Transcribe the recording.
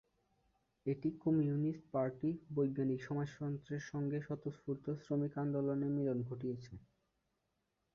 এই communist party বৈজ্ঞানিক সমাজতন্ত্রের সংগে স্বতঃস্ফূর্ত শ্রমিক আন্দোলনের মিলন ঘটিয়েছে।